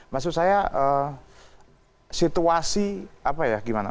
maksud saya situasi apa ya gimana